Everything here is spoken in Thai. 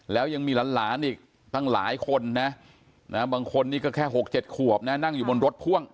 แล้วยังมีหลานอีกตั้งหลายคนนะบางคนนี่ก็แค่๖๗ขวบนะนั่งอยู่บนรถพ่วง